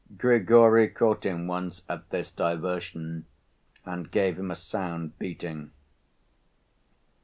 Grigory caught him once at this diversion and gave him a sound beating.